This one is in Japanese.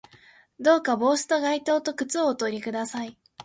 どうか帽子と外套と靴をおとり下さい